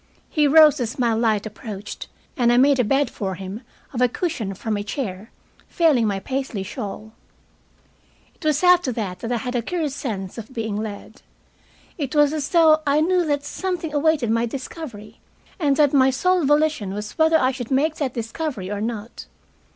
He rose as my light approached, and I made a bed for him of a cushion from a chair, failing my Paisley shawl. It was after that that I had the curious sense of being led. It was as though I knew that something awaited my discovery, and that my sole volition was whether I should make that discovery or not.